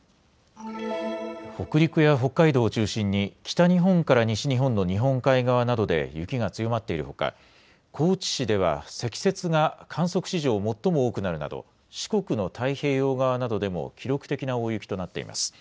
北陸や北海道を中心に北日本から西日本の日本海側などで雪が強まっているほか、高知市では積雪が観測史上、最も多くなるなど四国の太平洋側などでも記録的な大雪となっています。